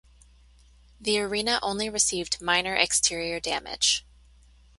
The arena only received minor exterior damage.